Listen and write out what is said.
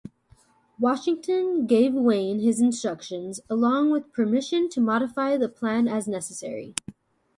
Washington gave Wayne his instructions, along with permission to modify the plan as necessary.